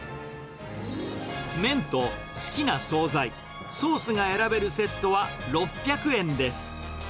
麺と好きな総菜、ソースが選べるセットは６００円です。